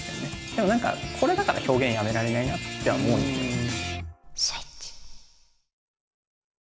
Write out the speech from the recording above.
でも何かこれだから表現やめられないなとは思うんですよね。